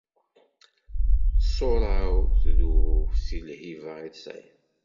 Ṣṣura-w tdub si lhiba i tesɛiḍ.